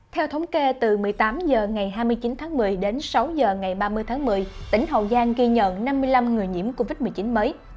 theo thống kê từ một mươi tám h ngày hai mươi chín tháng một mươi đến sáu h ngày ba mươi tháng một mươi tỉnh hậu giang ghi nhận năm mươi năm người nhiễm covid một mươi chín mới